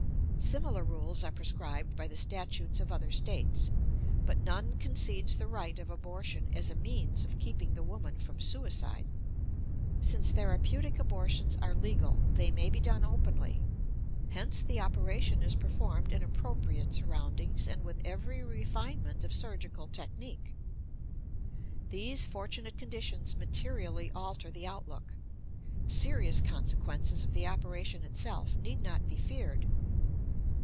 Similar rules are prescribed by the statutes of other States, but none concedes the right of abortion as a means of keeping the woman from suicide. Since therapeutic abortions are legal, they may be done openly; hence the operation is performed in appropriate surroundings and with every refinement of surgical technique. These fortunate conditions materially alter the outlook; serious consequences of the operation itself need not be feared.